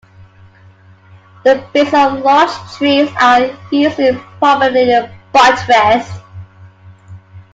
The bases of large trees are usually prominently buttressed.